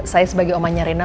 saya sebagai omanya reina